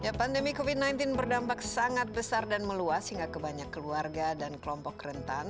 ya pandemi covid sembilan belas berdampak sangat besar dan meluas hingga kebanyak keluarga dan kelompok rentan